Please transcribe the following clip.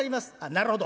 「なるほど。